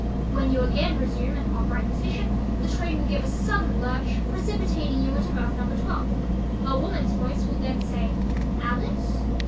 When you again resume an upright position the train will give a sudden lurch, precipitating you into berth number 12. A woman's voice will then say "Alice?"